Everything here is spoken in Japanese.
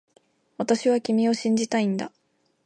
私は君を信じたいんだ